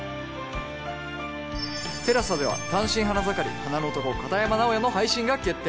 ＴＥＬＡＳＡ では『単身花盛り花の男――片山直哉』の配信が決定！